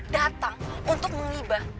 datang untuk menghibah